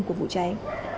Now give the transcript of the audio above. của vụ cháy